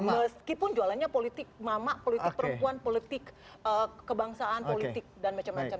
meskipun jualannya politik mama politik perempuan politik kebangsaan politik dan macam macam